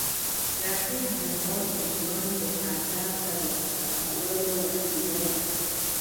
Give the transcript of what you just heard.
رقیب زما د ژوند د هدف ترلاسه کولو وسیله ده